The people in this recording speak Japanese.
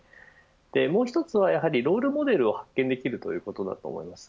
もう一つはやはりロールモデルを発見できるということです。